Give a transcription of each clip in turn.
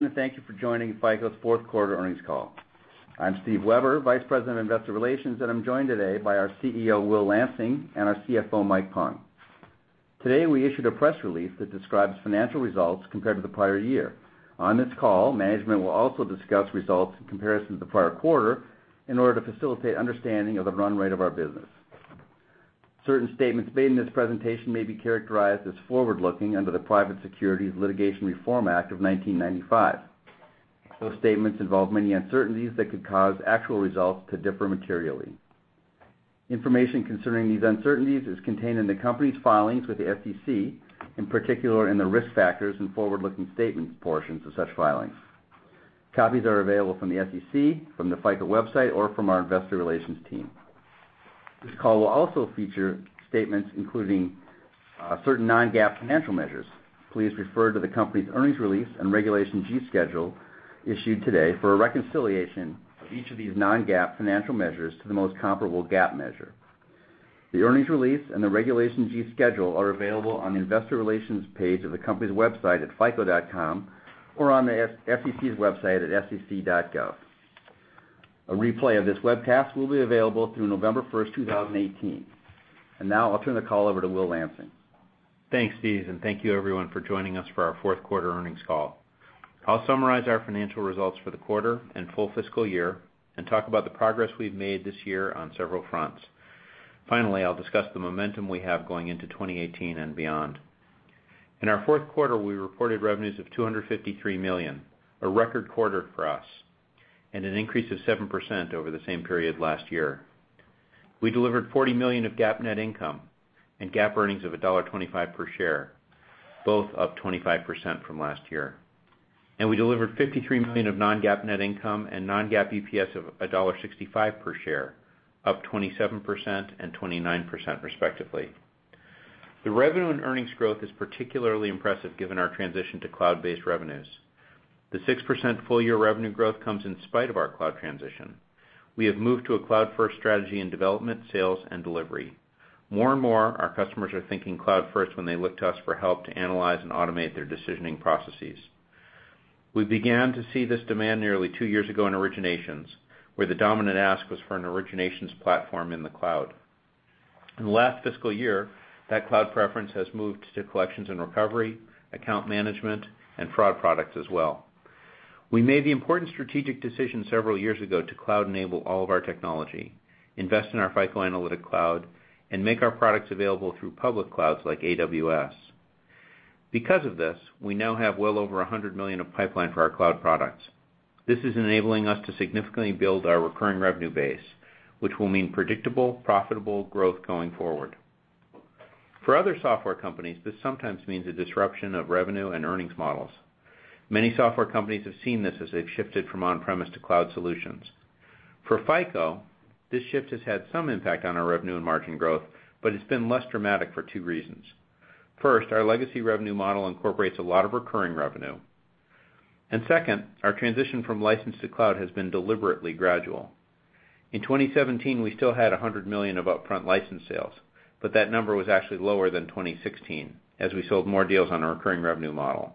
Good afternoon. Thank you for joining FICO's fourth quarter earnings call. I'm Steve Weber, Vice President of Investor Relations, and I'm joined today by our CEO, Will Lansing, and our CFO, Mike Pung. Today, we issued a press release that describes financial results compared to the prior year. On this call, management will also discuss results in comparison to the prior quarter in order to facilitate understanding of the run rate of our business. Certain statements made in this presentation may be characterized as forward-looking under the Private Securities Litigation Reform Act of 1995. Those statements involve many uncertainties that could cause actual results to differ materially. Information concerning these uncertainties is contained in the company's filings with the SEC, in particular in the risk factors and forward-looking statements portions of such filings. Copies are available from the SEC, from the FICO website, or from our investor relations team. This call will also feature statements including certain non-GAAP financial measures. Please refer to the company's earnings release and Regulation G schedule issued today for a reconciliation of each of these non-GAAP financial measures to the most comparable GAAP measure. The earnings release and the Regulation G schedule are available on the investor relations page of the company's website at fico.com or on the SEC's website at sec.gov. A replay of this webcast will be available through November 1st, 2018. Now I'll turn the call over to Will Lansing. Thanks, Steve. Thank you everyone for joining us for our fourth quarter earnings call. I'll summarize our financial results for the quarter and full fiscal year, talk about the progress we've made this year on several fronts. Finally, I'll discuss the momentum we have going into 2018 and beyond. In our fourth quarter, we reported revenues of $253 million, a record quarter for us, an increase of 7% over the same period last year. We delivered $40 million of GAAP net income and GAAP earnings of $1.25 per share, both up 25% from last year. We delivered $53 million of non-GAAP net income and non-GAAP EPS of $1.65 per share, up 27% and 29% respectively. The revenue and earnings growth is particularly impressive given our transition to cloud-based revenues. The 6% full-year revenue growth comes in spite of our cloud transition. We have moved to a cloud-first strategy in development, sales, and delivery. More and more, our customers are thinking cloud first when they look to us for help to analyze and automate their decisioning processes. We began to see this demand nearly two years ago in originations, where the dominant ask was for an originations platform in the cloud. In the last fiscal year, that cloud preference has moved to collections and recovery, account management, and fraud products as well. We made the important strategic decision several years ago to cloud enable all of our technology, invest in our FICO Analytic Cloud, make our products available through public clouds like AWS. Because of this, we now have well over $100 million of pipeline for our cloud products. This is enabling us to significantly build our recurring revenue base, which will mean predictable, profitable growth going forward. For other software companies, this sometimes means a disruption of revenue and earnings models. Many software companies have seen this as they've shifted from on-premise to cloud solutions. For FICO, this shift has had some impact on our revenue and margin growth, but it's been less dramatic for two reasons. First, our legacy revenue model incorporates a lot of recurring revenue. Second, our transition from license to cloud has been deliberately gradual. In 2017, we still had $100 million of upfront license sales, but that number was actually lower than 2016, as we sold more deals on our recurring revenue model.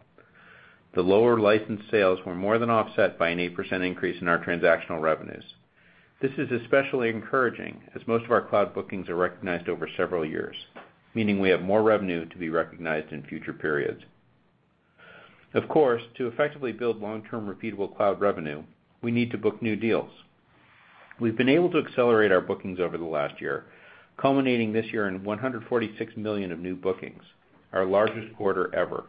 The lower license sales were more than offset by an 8% increase in our transactional revenues. This is especially encouraging, as most of our cloud bookings are recognized over several years, meaning we have more revenue to be recognized in future periods. Of course, to effectively build long-term repeatable cloud revenue, we need to book new deals. We've been able to accelerate our bookings over the last year, culminating this year in $146 million of new bookings, our largest quarter ever.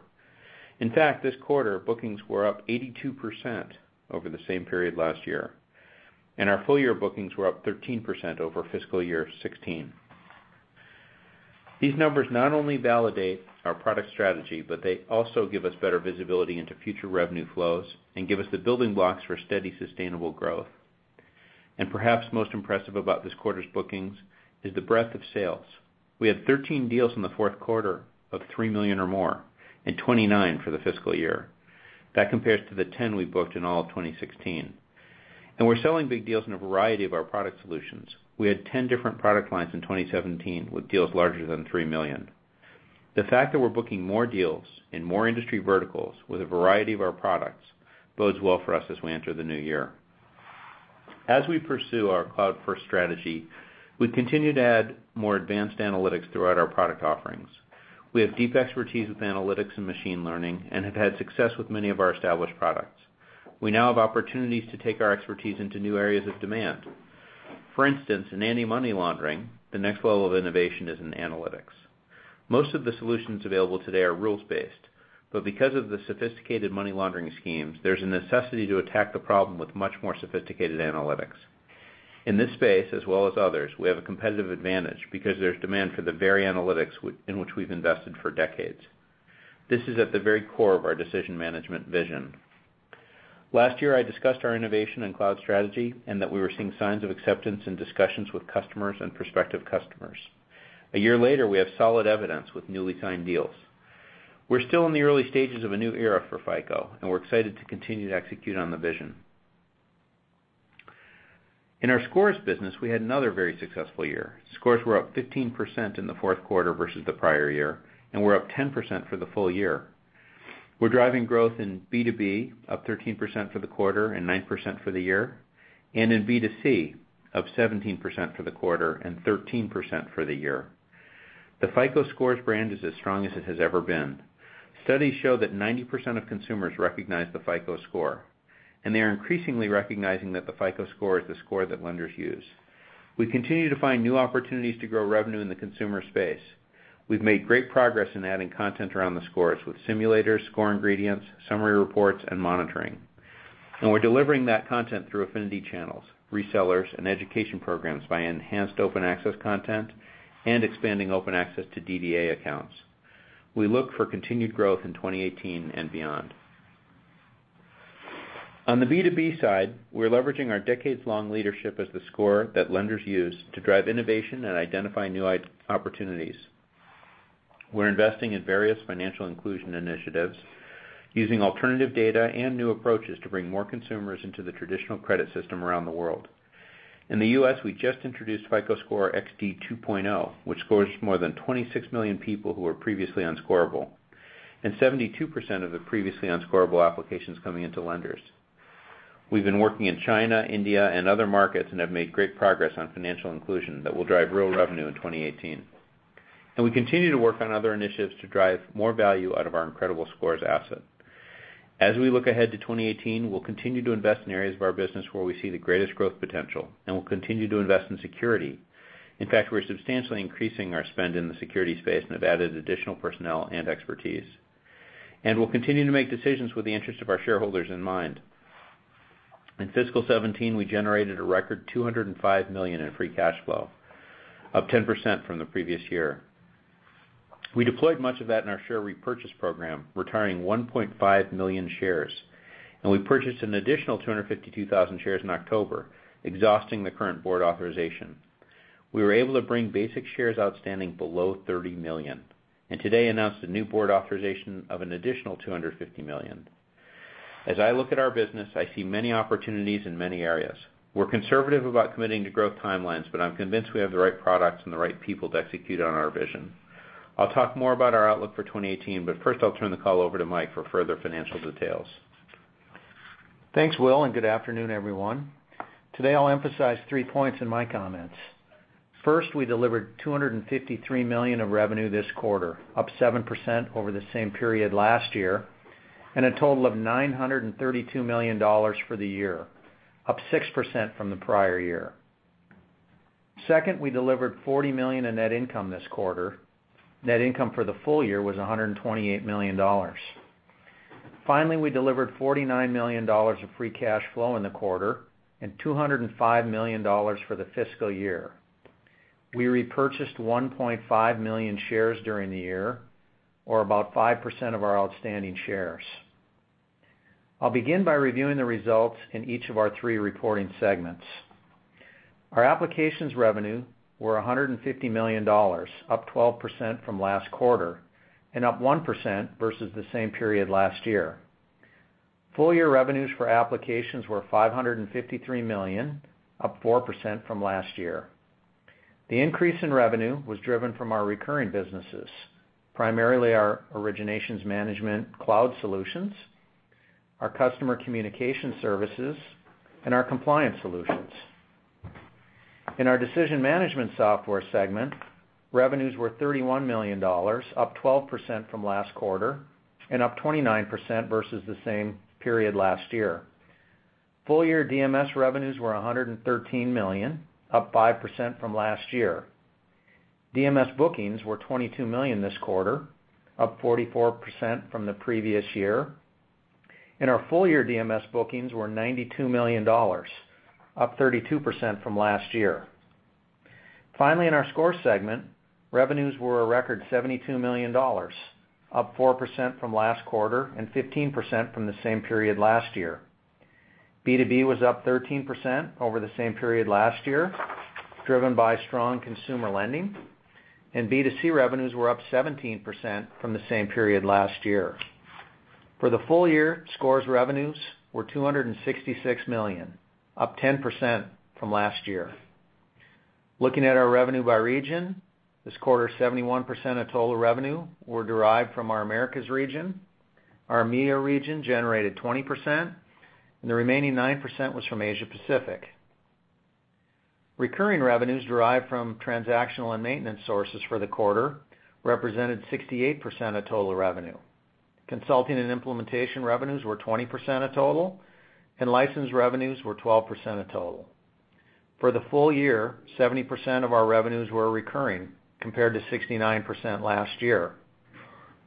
In fact, this quarter, bookings were up 82% over the same period last year, and our full-year bookings were up 13% over fiscal year 2016. These numbers not only validate our product strategy, but they also give us better visibility into future revenue flows and give us the building blocks for steady, sustainable growth. Perhaps most impressive about this quarter's bookings is the breadth of sales. We had 13 deals in the fourth quarter of $3 million or more and 29 for the fiscal year. That compares to the 10 we booked in all of 2016. We're selling big deals in a variety of our product solutions. We had 10 different product lines in 2017 with deals larger than $3 million. The fact that we're booking more deals in more industry verticals with a variety of our products bodes well for us as we enter the new year. As we pursue our cloud-first strategy, we continue to add more advanced analytics throughout our product offerings. We have deep expertise with analytics and machine learning and have had success with many of our established products. We now have opportunities to take our expertise into new areas of demand. For instance, in anti-money laundering, the next level of innovation is in analytics. Most of the solutions available today are rules-based, but because of the sophisticated money laundering schemes, there's a necessity to attack the problem with much more sophisticated analytics. In this space, as well as others, we have a competitive advantage because there's demand for the very analytics in which we've invested for decades. This is at the very core of our decision management vision. Last year, I discussed our innovation and cloud strategy and that we were seeing signs of acceptance in discussions with customers and prospective customers. A year later, we have solid evidence with newly signed deals. We're still in the early stages of a new era for FICO, and we're excited to continue to execute on the vision. In our Scores business, we had another very successful year. Scores were up 15% in the fourth quarter versus the prior year, and were up 10% for the full year. We're driving growth in B2B, up 13% for the quarter and 9% for the year, and in B2C, up 17% for the quarter and 13% for the year. The FICO Scores brand is as strong as it has ever been. Studies show that 90% of consumers recognize the FICO Score, and they are increasingly recognizing that the FICO Score is the score that lenders use. We continue to find new opportunities to grow revenue in the consumer space. We've made great progress in adding content around the scores with simulators, score ingredients, summary reports, and monitoring. We're delivering that content through affinity channels, resellers, and education programs, by enhanced open access content and expanding open access to DDA accounts. We look for continued growth in 2018 and beyond. On the B2B side, we're leveraging our decades-long leadership as the score that lenders use to drive innovation and identify new opportunities. We're investing in various financial inclusion initiatives using alternative data and new approaches to bring more consumers into the traditional credit system around the world. In the U.S., we just introduced FICO Score XD 2, which scores more than 26 million people who were previously unscoreable, and 72% of the previously unscoreable applications coming into lenders. We've been working in China, India, and other markets, have made great progress on financial inclusion that will drive real revenue in 2018. We continue to work on other initiatives to drive more value out of our incredible Scores asset. As we look ahead to 2018, we'll continue to invest in areas of our business where we see the greatest growth potential, and we'll continue to invest in security. In fact, we're substantially increasing our spend in the security space and have added additional personnel and expertise. We'll continue to make decisions with the interest of our shareholders in mind. In FY 2017, we generated a record $205 million in free cash flow, up 10% from the previous year. We deployed much of that in our share repurchase program, retiring 1.5 million shares, and we purchased an additional 252,000 shares in October, exhausting the current board authorization. We were able to bring basic shares outstanding below 30 million, and today announced a new board authorization of an additional $250 million. As I look at our business, I see many opportunities in many areas. We're conservative about committing to growth timelines, but I'm convinced we have the right products and the right people to execute on our vision. I'll talk more about our outlook for 2018, first I'll turn the call over to Mike for further financial details. Thanks, Will. Good afternoon, everyone. Today, I'll emphasize three points in my comments. First, we delivered $253 million of revenue this quarter, up 7% over the same period last year, and a total of $932 million for the year, up 6% from the prior year. Second, we delivered $40 million in net income this quarter. Net income for the full year was $128 million. Finally, we delivered $49 million of free cash flow in the quarter and $205 million for the fiscal year. We repurchased 1.5 million shares during the year or about 5% of our outstanding shares. I'll begin by reviewing the results in each of our three reporting segments. Our Applications revenue were $150 million, up 12% from last quarter and up 1% versus the same period last year. Full-year revenues for Applications were $553 million, up 4% from last year. The increase in revenue was driven from our recurring businesses, primarily our originations management cloud solutions, our customer communication services, and our compliance solutions. In our Decision Management Software segment, revenues were $31 million, up 12% from last quarter and up 29% versus the same period last year. Full-year DMS revenues were $113 million, up 5% from last year. DMS bookings were $22 million this quarter, up 44% from the previous year. Our full-year DMS bookings were $92 million, up 32% from last year. Finally, in our Scores segment, revenues were a record $72 million, up 4% from last quarter and 15% from the same period last year. B2B was up 13% over the same period last year, driven by strong consumer lending, and B2C revenues were up 17% from the same period last year. For the full year, Scores revenues were $266 million, up 10% from last year. Looking at our revenue by region, this quarter, 71% of total revenue were derived from our Americas region, our EMEA region generated 20%, and the remaining 9% was from Asia Pacific. Recurring revenues derived from transactional and maintenance sources for the quarter represented 68% of total revenue. Consulting and implementation revenues were 20% of total, and license revenues were 12% of total. For the full year, 70% of our revenues were recurring compared to 69% last year.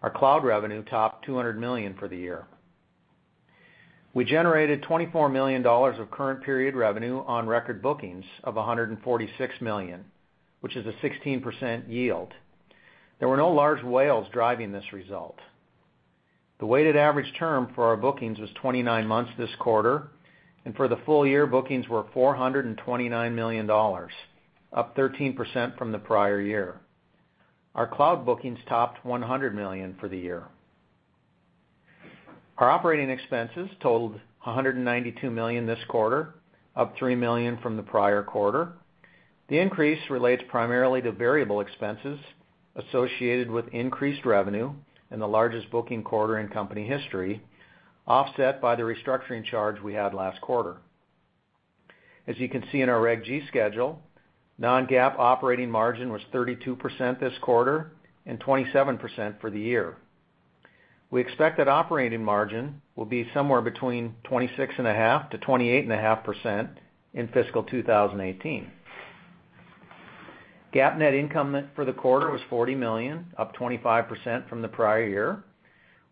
Our cloud revenue topped $200 million for the year. We generated $24 million of current period revenue on record bookings of $146 million, which is a 16% yield. There were no large whales driving this result. The weighted average term for our bookings was 29 months this quarter, and for the full year, bookings were $429 million, up 13% from the prior year. Our cloud bookings topped $100 million for the year. Our operating expenses totaled $192 million this quarter, up $3 million from the prior quarter. The increase relates primarily to variable expenses associated with increased revenue in the largest booking quarter in company history, offset by the restructuring charge we had last quarter. As you can see in our Reg G schedule, non-GAAP operating margin was 32% this quarter, and 27% for the year. We expect that operating margin will be somewhere between 26.5%-28.5% in fiscal 2018. GAAP net income for the quarter was $40 million, up 25% from the prior year.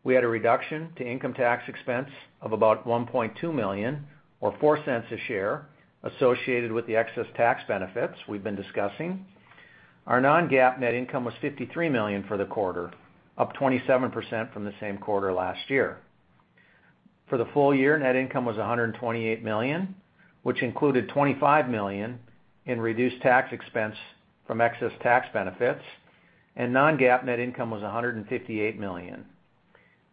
We had a reduction to income tax expense of about $1.2 million or $0.04 a share associated with the excess tax benefits we've been discussing. Our non-GAAP net income was $53 million for the quarter, up 27% from the same quarter last year. For the full year, net income was $128 million, which included $25 million in reduced tax expense from excess tax benefits, and non-GAAP net income was $158 million.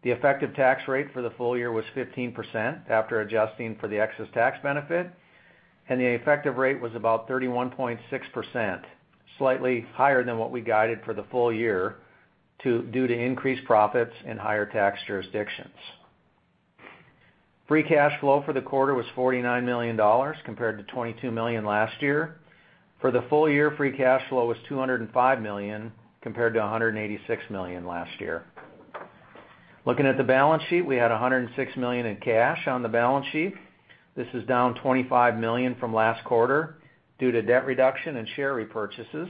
The effective tax rate for the full year was 15% after adjusting for the excess tax benefit, and the effective rate was about 31.6%, slightly higher than what we guided for the full year due to increased profits in higher tax jurisdictions. Free cash flow for the quarter was $49 million, compared to $22 million last year. For the full year, free cash flow was $205 million, compared to $186 million last year. Looking at the balance sheet, we had $106 million in cash on the balance sheet. This is down $25 million from last quarter due to debt reduction and share repurchases,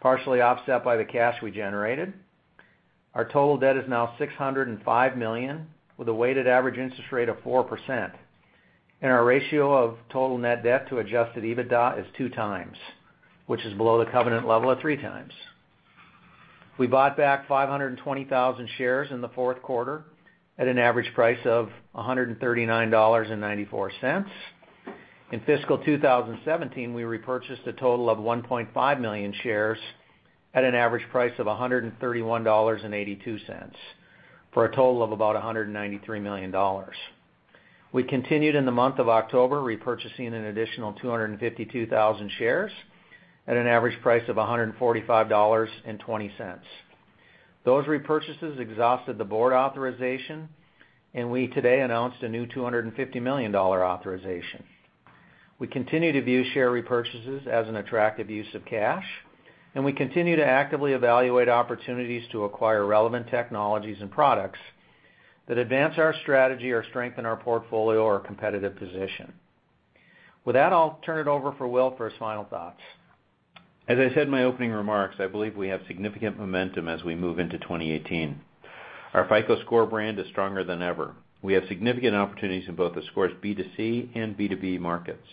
partially offset by the cash we generated. Our total debt is now $605 million, with a weighted average interest rate of 4%. Our ratio of total net debt to adjusted EBITDA is two times, which is below the covenant level of three times. We bought back 520,000 shares in the fourth quarter at an average price of $139.94. In fiscal 2017, we repurchased a total of 1.5 million shares at an average price of $131.82, for a total of about $193 million. We continued in the month of October, repurchasing an additional 252,000 shares at an average price of $145.20. Those repurchases exhausted the board authorization. We today announced a new $250 million authorization. We continue to view share repurchases as an attractive use of cash. We continue to actively evaluate opportunities to acquire relevant technologies and products that advance our strategy or strengthen our portfolio or competitive position. With that, I'll turn it over for Will for his final thoughts. As I said in my opening remarks, I believe we have significant momentum as we move into 2018. Our FICO Score brand is stronger than ever. We have significant opportunities in both the Scores B2C and B2B markets.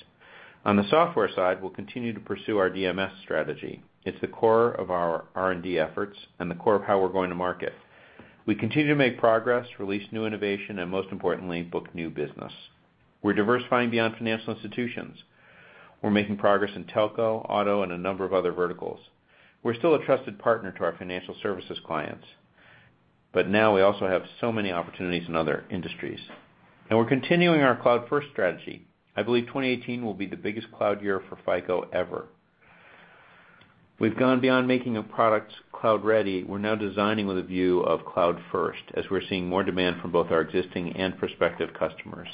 On the software side, we'll continue to pursue our DMS strategy. It's the core of our R&D efforts and the core of how we're going to market. We continue to make progress, release new innovation, and most importantly, book new business. We're diversifying beyond financial institutions. We're making progress in telco, auto, and a number of other verticals. We're still a trusted partner to our financial services clients, but now we also have so many opportunities in other industries. We're continuing our cloud-first strategy. I believe 2018 will be the biggest cloud year for FICO ever. We've gone beyond making a product cloud-ready. We're now designing with a view of cloud first, as we're seeing more demand from both our existing and prospective customers.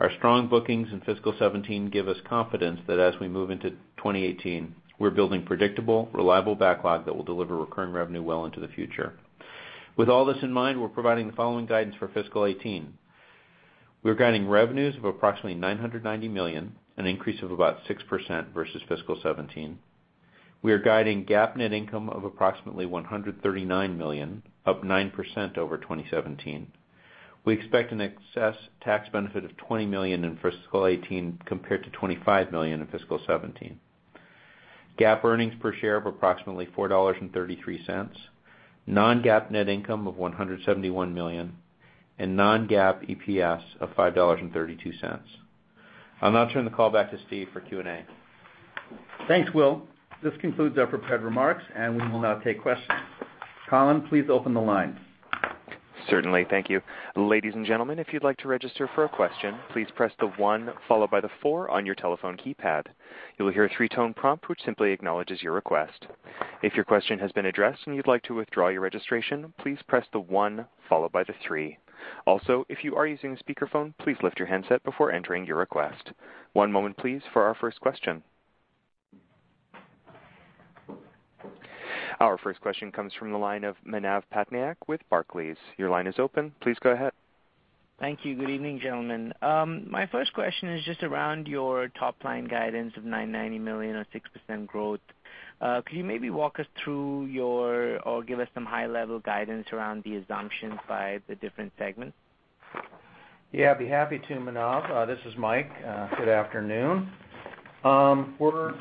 Our strong bookings in fiscal 2017 give us confidence that as we move into 2018, we're building predictable, reliable backlog that will deliver recurring revenue well into the future. With all this in mind, we're providing the following guidance for fiscal 2018. We're guiding revenues of approximately $990 million, an increase of about 6% versus fiscal 2017. We are guiding GAAP net income of approximately $139 million, up 9% over 2017. We expect an excess tax benefit of $20 million in fiscal 2018 compared to $25 million in fiscal 2017. GAAP earnings per share of approximately $4.33. Non-GAAP net income of $171 million and non-GAAP EPS of $5.32. I'll now turn the call back to Steve for Q&A. Thanks, Will. This concludes our prepared remarks, and we will now take questions. Colin, please open the line. Certainly. Thank you. Ladies and gentlemen, if you'd like to register for a question, please press the one followed by the four on your telephone keypad. You'll hear a three-tone prompt which simply acknowledges your request. If your question has been addressed and you'd like to withdraw your registration, please press the one followed by the three. Also, if you are using a speakerphone, please lift your handset before entering your request. One moment, please, for our first question. Our first question comes from the line of Manav Patnaik with Barclays. Your line is open. Please go ahead. Thank you. Good evening, gentlemen. My first question is just around your top-line guidance of $990 million or 6% growth. Could you maybe walk us through your, or give us some high-level guidance around the assumptions by the different segments? I'd be happy to, Manav. This is Mike. Good afternoon. We're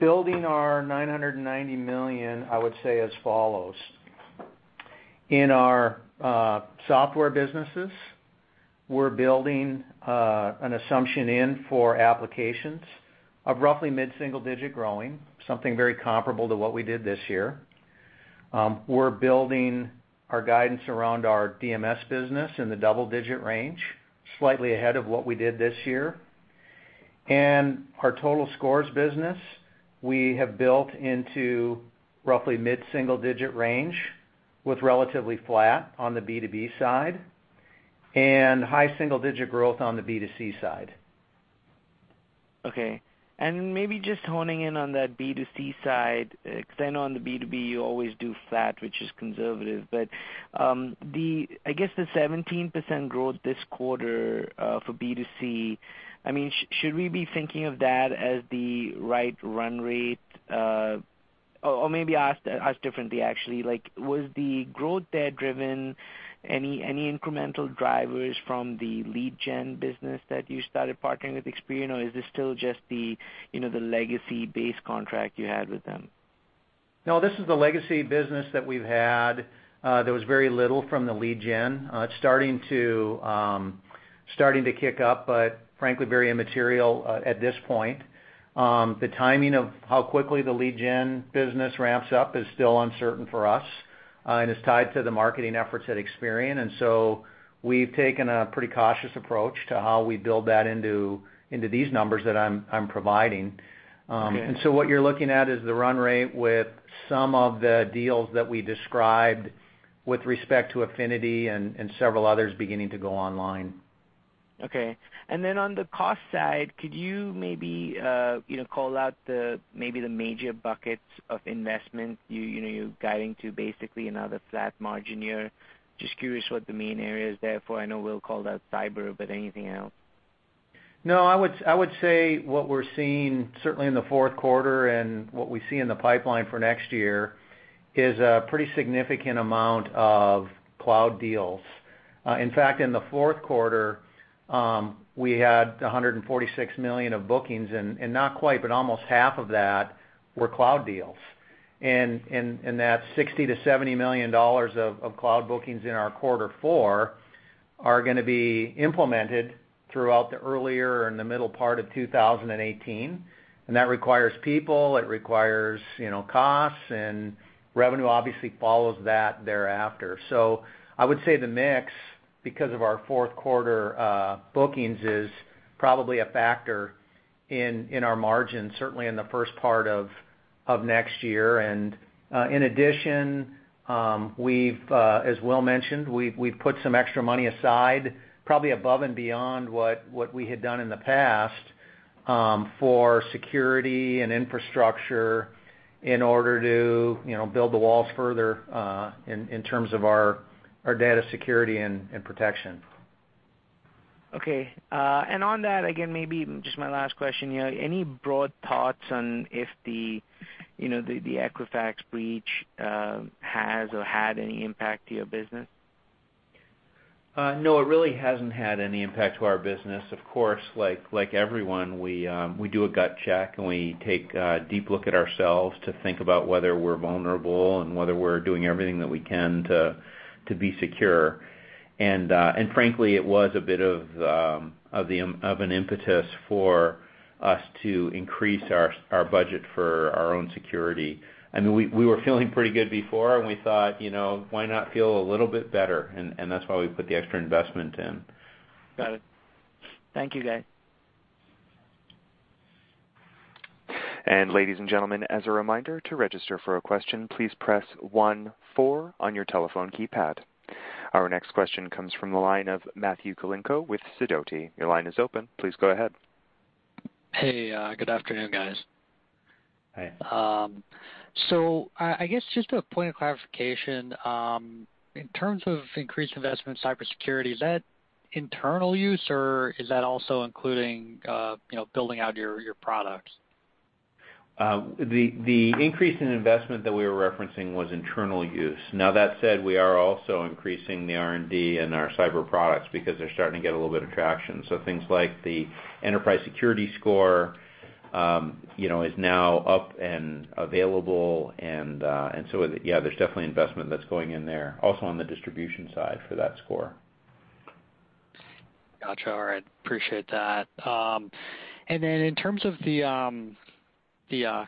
building our $990 million, I would say, as follows. In our software businesses. We're building an assumption in for applications of roughly mid-single digit growing, something very comparable to what we did this year. We're building our guidance around our DMS business in the double-digit range, slightly ahead of what we did this year. Our total scores business, we have built into roughly mid-single digit range with relatively flat on the B2B side and high single-digit growth on the B2C side. Okay. Maybe just honing in on that B2C side, because I know on the B2B, you always do flat, which is conservative. I guess the 17% growth this quarter for B2C, should we be thinking of that as the right run rate? Or maybe I'll ask differently, actually. Was the growth there driven any incremental drivers from the lead gen business that you started partnering with Experian, or is this still just the legacy base contract you had with them? No, this is the legacy business that we've had. There was very little from the lead gen. It's starting to kick up, but frankly, very immaterial at this point. The timing of how quickly the lead gen business ramps up is still uncertain for us and is tied to the marketing efforts at Experian. We've taken a pretty cautious approach to how we build that into these numbers that I'm providing. Okay. What you're looking at is the run rate with some of the deals that we described with respect to Affinity and several others beginning to go online. Okay. Then on the cost side, could you maybe call out maybe the major buckets of investment? You're guiding to basically another flat margin year. Just curious what the main area is there, for I know we'll call that cyber, but anything else? No, I would say what we're seeing certainly in the fourth quarter and what we see in the pipeline for next year is a pretty significant amount of cloud deals. In fact, in the fourth quarter, we had $146 million of bookings, not quite, but almost half of that were cloud deals. That $60 million to $70 million of cloud bookings in our quarter four are going to be implemented throughout the earlier and the middle part of 2018. That requires people, it requires costs, and revenue obviously follows that thereafter. I would say the mix, because of our fourth quarter bookings, is probably a factor in our margins, certainly in the first part of next year. In addition, as Will mentioned, we've put some extra money aside, probably above and beyond what we had done in the past, for security and infrastructure in order to build the walls further in terms of our data security and protection. Okay. On that, again, maybe just my last question. Any broad thoughts on if the Equifax breach has or had any impact to your business? No, it really hasn't had any impact to our business. Of course, like everyone, we do a gut check, and we take a deep look at ourselves to think about whether we're vulnerable and whether we're doing everything that we can to be secure. Frankly, it was a bit of an impetus for us to increase our budget for our own security. We were feeling pretty good before, and we thought, why not feel a little bit better? That's why we put the extra investment in. Got it. Thank you, guys. Ladies and gentlemen, as a reminder, to register for a question, please press one, four on your telephone keypad. Our next question comes from the line of Matthew Kolinko with Sidoti. Your line is open. Please go ahead. Hey, good afternoon, guys. Hi. I guess just a point of clarification. In terms of increased investment in cybersecurity, is that internal use, or is that also including building out your products? The increase in investment that we were referencing was internal use. That said, we are also increasing the R&D in our cyber products because they're starting to get a little bit of traction. Things like the FICO Enterprise Security Score is now up and available. Yeah, there's definitely investment that's going in there also on the distribution side for that score. Got you. All right. Appreciate that. In terms of the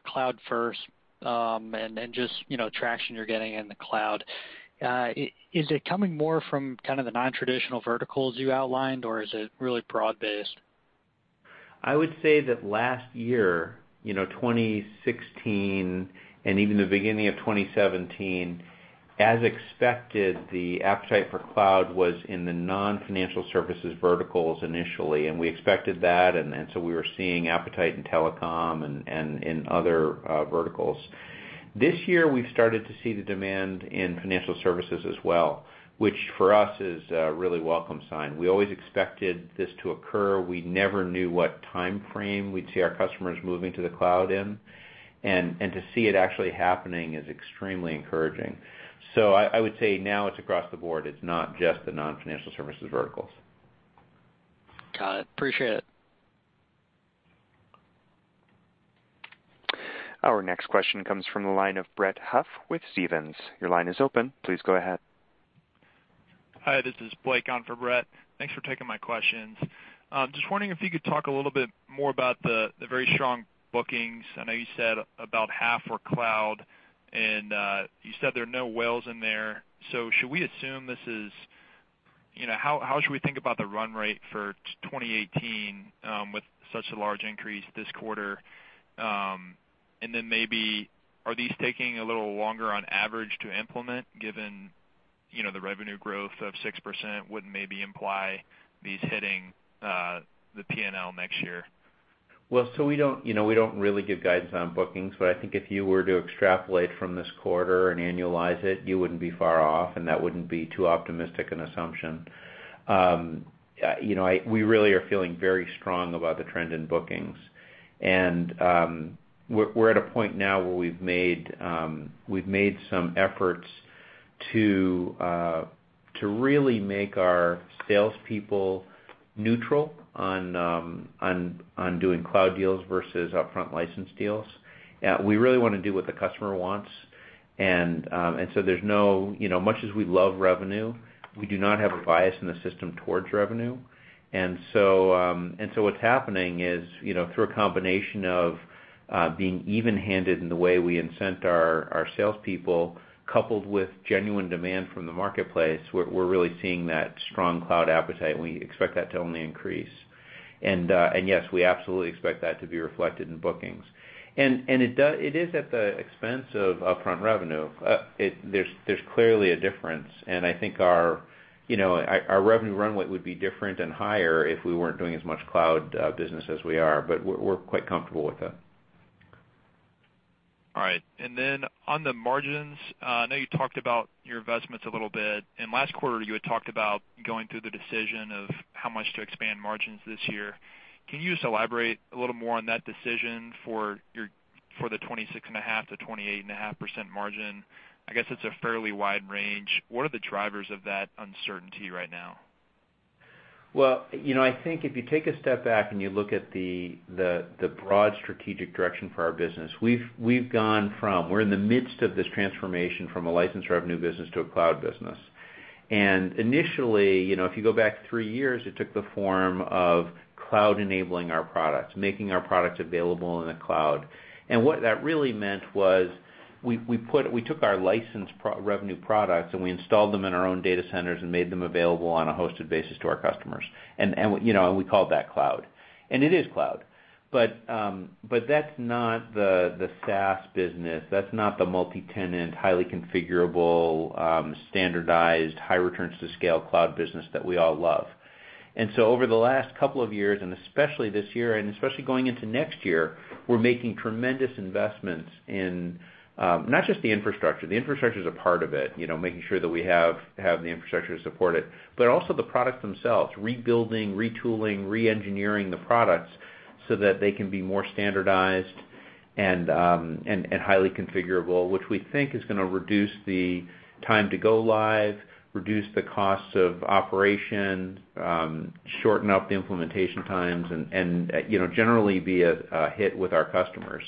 cloud first and just traction you're getting in the cloud, is it coming more from kind of the non-traditional verticals you outlined, or is it really broad based? I would say that last year, 2016 and even the beginning of 2017, as expected, the appetite for cloud was in the non-financial services verticals initially. We expected that, and so we were seeing appetite in telecom and in other verticals. This year, we've started to see the demand in financial services as well, which for us is a really welcome sign. We always expected this to occur. We never knew what timeframe we'd see our customers moving to the cloud in. To see it actually happening is extremely encouraging. I would say now it's across the board. It's not just the non-financial services verticals. Got it. Appreciate it. Our next question comes from the line of Brett Huff with Stephens. Your line is open. Please go ahead. Hi, this is Blake on for Brett. Thanks for taking my questions. Just wondering if you could talk a little bit more about the very strong bookings. I know you said about half were cloud, and you said there are no whales in there. How should we think about the run rate for 2018 with such a large increase this quarter? Then maybe, are these taking a little longer on average to implement given the revenue growth of 6% would maybe imply these hitting the P&L next year? We don't really give guidance on bookings, but I think if you were to extrapolate from this quarter and annualize it, you wouldn't be far off, and that wouldn't be too optimistic an assumption. We really are feeling very strong about the trend in bookings. We're at a point now where we've made some efforts to really make our salespeople neutral on doing cloud deals versus upfront license deals. We really want to do what the customer wants. So much as we love revenue, we do not have a bias in the system towards revenue. What's happening is, through a combination of being even-handed in the way we incent our salespeople, coupled with genuine demand from the marketplace, we're really seeing that strong cloud appetite, and we expect that to only increase. Yes, we absolutely expect that to be reflected in bookings. It is at the expense of upfront revenue. There's clearly a difference, and I think our revenue runway would be different and higher if we weren't doing as much cloud business as we are, but we're quite comfortable with that. All right. On the margins, I know you talked about your investments a little bit. Last quarter, you had talked about going through the decision of how much to expand margins this year. Can you just elaborate a little more on that decision for the 26.5%-28.5% margin? I guess it's a fairly wide range. What are the drivers of that uncertainty right now? Well, I think if you take a step back and you look at the broad strategic direction for our business, we're in the midst of this transformation from a license revenue business to a cloud business. Initially, if you go back three years, it took the form of cloud-enabling our products, making our products available in the cloud. What that really meant was we took our license revenue products, and we installed them in our own data centers and made them available on a hosted basis to our customers. We called that cloud. It is cloud, but that's not the SaaS business. That's not the multi-tenant, highly configurable, standardized, high returns to scale cloud business that we all love. So over the last couple of years, and especially this year, and especially going into next year, we're making tremendous investments in not just the infrastructure. The infrastructure's a part of it, making sure that we have the infrastructure to support it, but also the products themselves, rebuilding, retooling, re-engineering the products so that they can be more standardized and highly configurable, which we think is going to reduce the time to go live, reduce the costs of operation, shorten up the implementation times, and generally be a hit with our customers.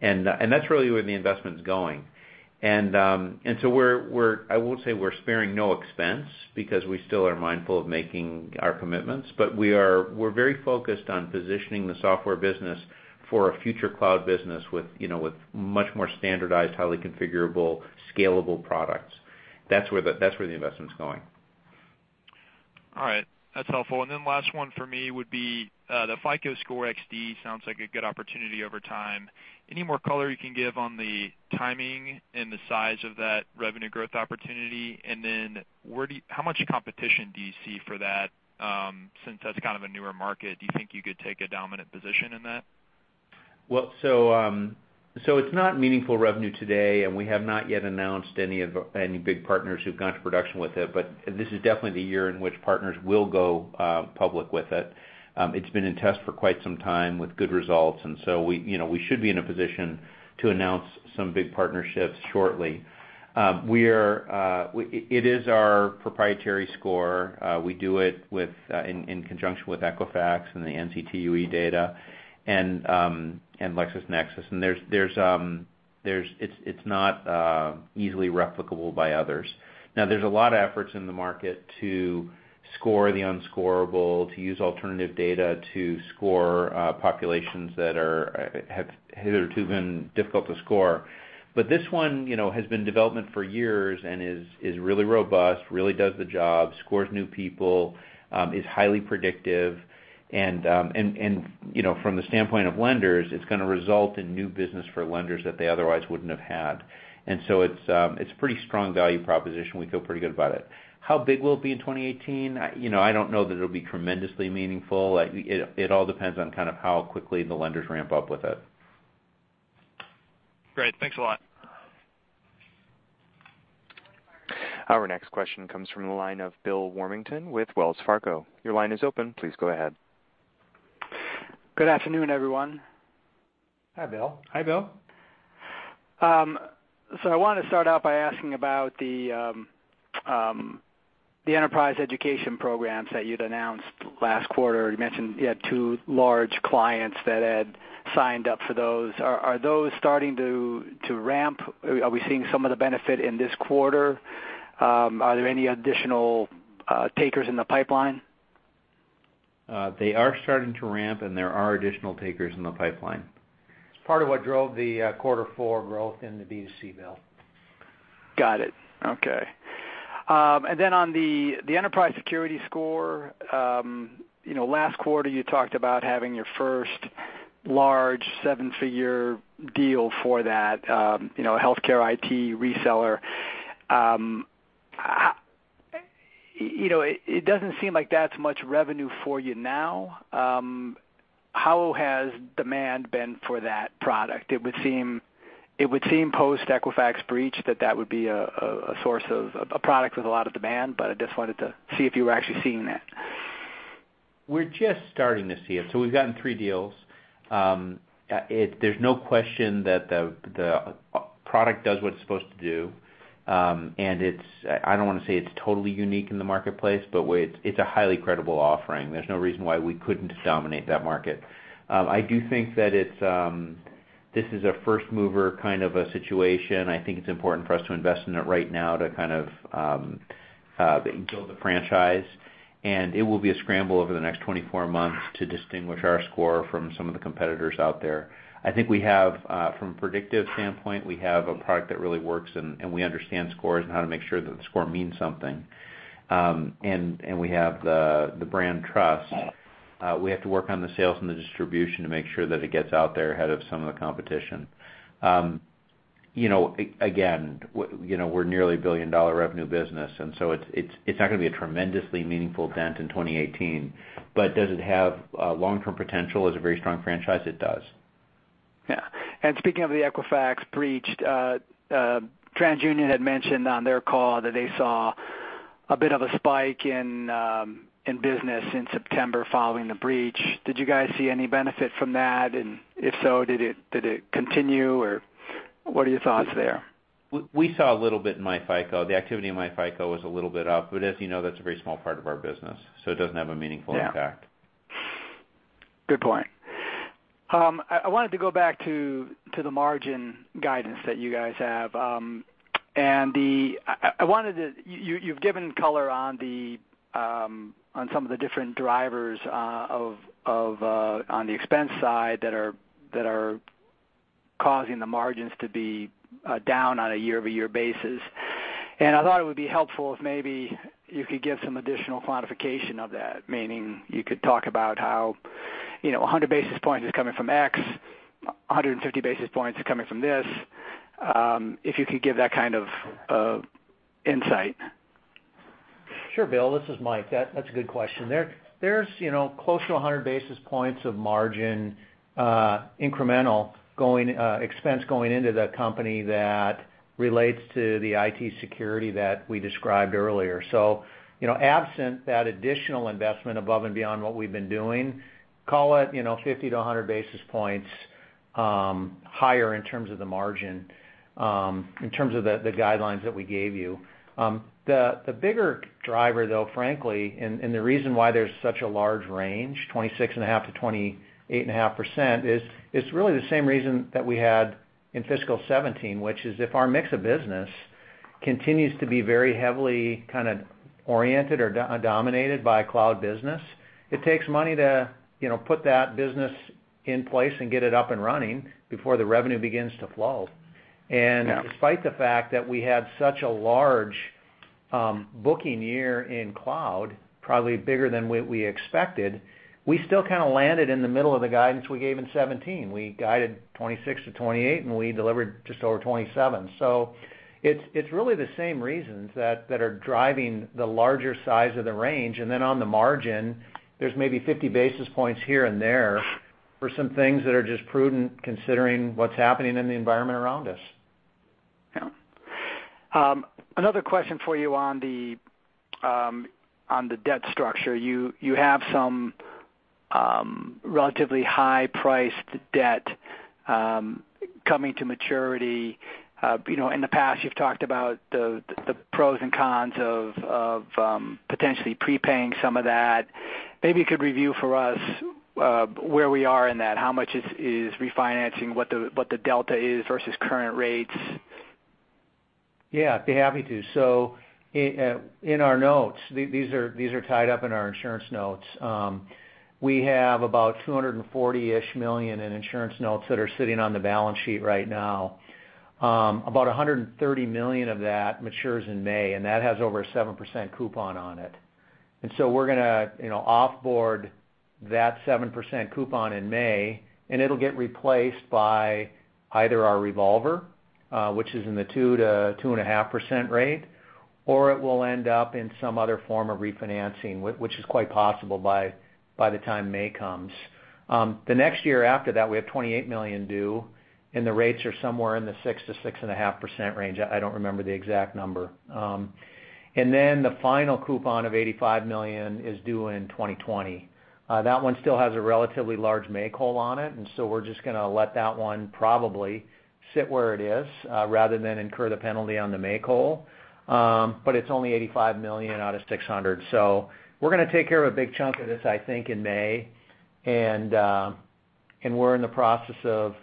That's really where the investment's going. I won't say we're sparing no expense because we still are mindful of making our commitments, but we're very focused on positioning the software business for a future cloud business with much more standardized, highly configurable, scalable products. That's where the investment's going. All right. That's helpful. Last one for me would be, the FICO Score XD sounds like a good opportunity over time. Any more color you can give on the timing and the size of that revenue growth opportunity? How much competition do you see for that? Since that's kind of a newer market, do you think you could take a dominant position in that? Well, it's not meaningful revenue today, and we have not yet announced any big partners who've gone to production with it. This is definitely the year in which partners will go public with it. It's been in test for quite some time with good results, and so we should be in a position to announce some big partnerships shortly. It is our proprietary score. We do it in conjunction with Equifax and the NCTUE data and LexisNexis. It's not easily replicable by others. Now, there's a lot of efforts in the market to score the unscoreable, to use alternative data to score populations that have hitherto been difficult to score. This one has been in development for years and is really robust, really does the job, scores new people, is highly predictive and from the standpoint of lenders, it's going to result in new business for lenders that they otherwise wouldn't have had. It's a pretty strong value proposition. We feel pretty good about it. How big will it be in 2018? I don't know that it'll be tremendously meaningful. It all depends on kind of how quickly the lenders ramp up with it. Great. Thanks a lot. Our next question comes from the line of Bill Warmington with Wells Fargo. Your line is open. Please go ahead. Good afternoon, everyone. Hi, Bill. I want to start out by asking about the enterprise education programs that you'd announced last quarter. You mentioned you had two large clients that had signed up for those. Are those starting to ramp? Are we seeing some of the benefit in this quarter? Are there any additional takers in the pipeline? They are starting to ramp, and there are additional takers in the pipeline. It's part of what drove the Quarter 4 growth in the B2C, Bill. Got it. Okay. On the FICO Enterprise Security Score, last quarter you talked about having your first large 7-figure deal for that, a healthcare IT reseller. It doesn't seem like that's much revenue for you now. How has demand been for that product? It would seem post Equifax breach that that would be a product with a lot of demand, but I just wanted to see if you were actually seeing that. We're just starting to see it. We've gotten three deals. There's no question that the product does what it's supposed to do. I don't want to say it's totally unique in the marketplace, but it's a highly credible offering. There's no reason why we couldn't dominate that market. I do think that this is a first-mover kind of a situation. I think it's important for us to invest in it right now to build the franchise. It will be a scramble over the next 24 months to distinguish our score from some of the competitors out there. I think from a predictive standpoint, we have a product that really works, and we understand scores and how to make sure that the score means something. We have the brand trust. We have to work on the sales and the distribution to make sure that it gets out there ahead of some of the competition. Again, we're nearly a billion-dollar revenue business, it's not going to be a tremendously meaningful dent in 2018. Does it have long-term potential as a very strong franchise? It does. Yeah. Speaking of the Equifax breach, TransUnion had mentioned on their call that they saw a bit of a spike in business in September following the breach. Did you guys see any benefit from that? If so, did it continue, or what are your thoughts there? We saw a little bit in myFICO. The activity in myFICO was a little bit up, as you know, that's a very small part of our business, it doesn't have a meaningful impact. Yeah. Good point. I wanted to go back to the margin guidance that you guys have. You've given color on some of the different drivers on the expense side that are causing the margins to be down on a year-over-year basis, I thought it would be helpful if maybe you could give some additional quantification of that, meaning you could talk about how 100 basis points is coming from X, 150 basis points is coming from this. If you could give that kind of insight. Sure, Bill. This is Mike. That's a good question. There's close to 100 basis points of margin incremental expense going into the company that relates to the IT security that we described earlier. Absent that additional investment above and beyond what we've been doing, call it 50 to 100 basis points higher in terms of the margin, in terms of the guidelines that we gave you. The bigger driver, though, frankly, and the reason why there's such a large range, 26.5% to 28.5%, is really the same reason that we had in fiscal 2017, which is if our mix of business continues to be very heavily kind of oriented or dominated by cloud business, it takes money to put that business in place and get it up and running before the revenue begins to flow. Yeah. Despite the fact that we had such a large booking year in cloud, probably bigger than what we expected, we still kind of landed in the middle of the guidance we gave in 2017. We guided 26%-28%, and we delivered just over 27%. It's really the same reasons that are driving the larger size of the range. On the margin, there's maybe 50 basis points here and there for some things that are just prudent considering what's happening in the environment around us. Yeah. Another question for you on the debt structure. You have some relatively high-priced debt coming to maturity. In the past you've talked about the pros and cons of potentially prepaying some of that. Maybe you could review for us where we are in that, how much is refinancing, what the delta is versus current rates. Yeah, I'd be happy to. In our notes, these are tied up in our insurance notes. We have about $240-ish million in insurance notes that are sitting on the balance sheet right now. About $130 million of that matures in May, and that has over a 7% coupon on it. We're going to off-board that 7% coupon in May, and it'll get replaced by either our revolver, which is in the 2% to 2.5% rate, or it will end up in some other form of refinancing, which is quite possible by the time May comes. The next year after that, we have $28 million due, and the rates are somewhere in the 6% to 6.5% range. I don't remember the exact number. The final coupon of $85 million is due in 2020. That one still has a relatively large make whole on it, we're just going to let that one probably sit where it is rather than incur the penalty on the make whole. It's only $85 million out of $600 million. We're going to take care of a big chunk of this, I think, in May, and we're in the process of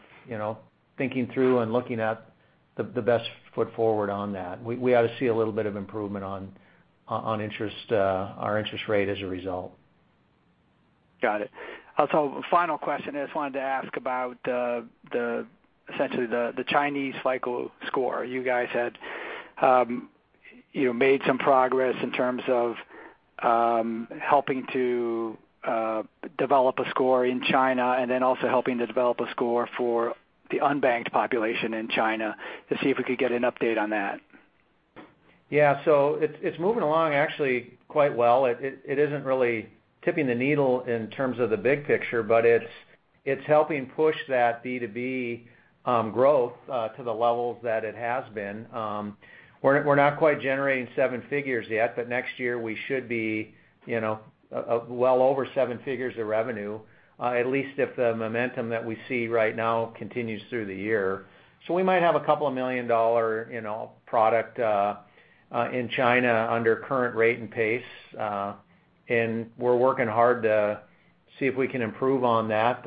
thinking through and looking at the best foot forward on that. We ought to see a little bit of improvement on our interest rate as a result. Got it. Final question, I just wanted to ask about the, essentially, the Chinese FICO Score. You guys had made some progress in terms of helping to develop a score in China, and then also helping to develop a score for the unbanked population in China, to see if we could get an update on that. Yeah. It's moving along actually quite well. It isn't really tipping the needle in terms of the big picture, but it's helping push that B2B growth to the levels that it has been. We're not quite generating seven figures yet, next year we should be well over seven figures of revenue, at least if the momentum that we see right now continues through the year. We might have a couple of million-dollar product in China under current rate and pace. We're working hard to see if we can improve on that.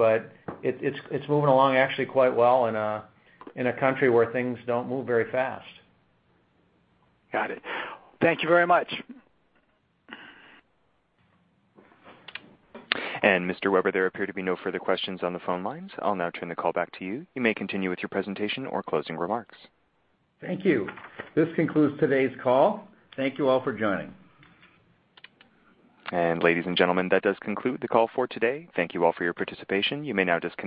It's moving along actually quite well in a country where things don't move very fast. Got it. Thank you very much. Mr. Weber, there appear to be no further questions on the phone lines. I'll now turn the call back to you. You may continue with your presentation or closing remarks. Thank you. This concludes today's call. Thank you all for joining. Ladies and gentlemen, that does conclude the call for today. Thank you all for your participation. You may now disconnect.